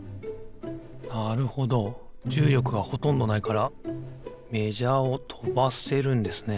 なるほどじゅうりょくがほとんどないからメジャーをとばせるんですね。